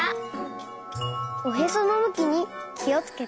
おへそのむきにきをつけて。